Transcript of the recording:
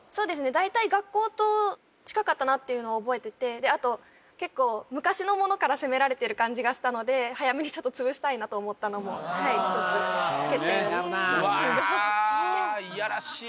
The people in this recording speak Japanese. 大体「学校」と近かったなっていうのは覚えててであと結構昔のものから攻められてる感じがしたので早めにちょっと潰したいなと思ったのもひとつやるなうわいやらしい